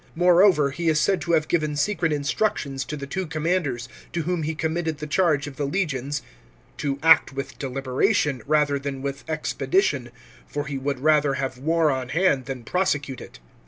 More over, he is said to have given secret instructions to the two commanders, to whom he committed the charge of the legions, " to act with deliberation rather than with expedition, for he would rather have war on hand than prosecute it."